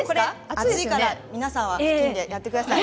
熱いので皆さんは布巾でやってください。